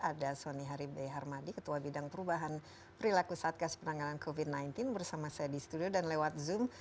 ada soni haribdeharmadi ketua bidang perubahan perilaku saat gas penanganan covid sembilan belas bersama saya di studio dan lewat zoom